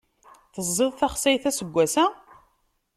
Teẓẓiḍ taxsayt aseggas-a?